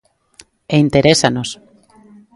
E interésanos.